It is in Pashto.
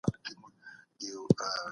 ایا ته به زما سره په کتابتون کې کار وکړې؟